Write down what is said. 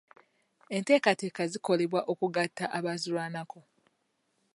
Enteekateeka zikolebwa okugatta abaazirwanako.